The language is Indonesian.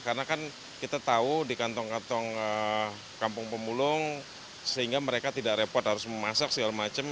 karena kan kita tahu di kantong kantong kampung pemulung sehingga mereka tidak repot harus memasak segala macam